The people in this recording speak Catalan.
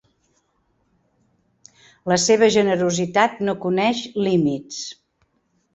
La seva generositat no coneix límits.